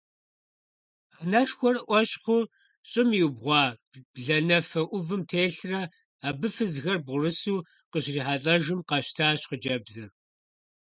Анэшхуэр Ӏуэщхъуу щӀым иубгъуа бланэфэ Ӏувым телърэ, абы фызхэр бгъурысу къыщрихьэлӀэжым, къэщтащ хъыджэбзыр.